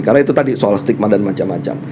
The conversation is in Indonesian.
karena itu tadi soal stigma dan macam macam